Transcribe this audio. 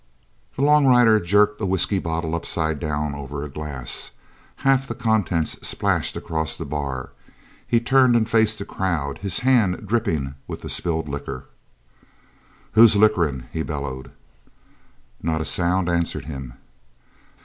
The long rider jerked a whisky bottle upside down over a glass. Half the contents splashed across the bar. He turned and faced the crowd, his hand dripping with the spilled liquor. "Whose liquorin'?" he bellowed. Not a sound answered him.